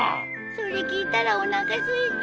それ聞いたらおなかすいた。